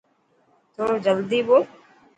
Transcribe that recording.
ٿورو جلدي ٻول.